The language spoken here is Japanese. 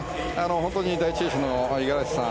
本当に第１泳者の五十嵐さん